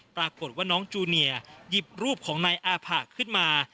ปรากฏว่าน้องจูเนียหยิบรูปของนายอาผะขึ้นมา